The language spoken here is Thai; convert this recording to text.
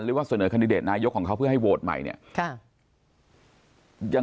หรือว่าเสนอคันดิเดตนายกของเขาเพื่อให้โหวตใหม่เนี่ย